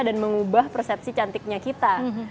dan mengubah persepsi cantiknya kita